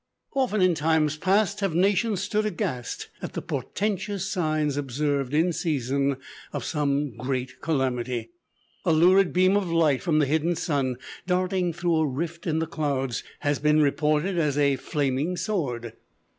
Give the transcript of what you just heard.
Often in times past have nations stood aghast at the portentous signs observed in season of some great calamity. A lurid beam of light from the hidden sun, darting through a rift in the clouds, has been reported as a flaming sword.